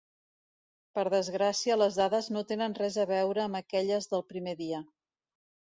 Per desgràcia les dades no tenen res a veure amb aquelles del primer dia.